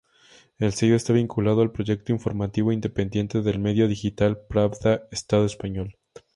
El sello está vinculado al proyecto informativo independiente del medio digital Pravda Estado español.